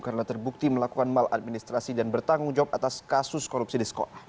karena terbukti melakukan maladministrasi dan bertanggung jawab atas kasus korupsi di sekolah